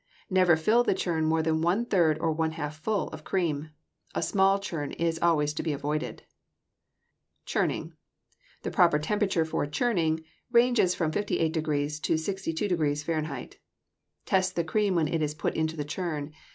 Never fill the churn more than one third or one half full of cream. A small churn is always to be avoided. =Churning.= The proper temperature for churning ranges from 58° to 62° Fahrenheit. Test the cream when it is put into the churn.